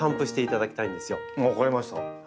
分かりました。